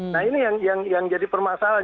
nah ini yang jadi permasalahan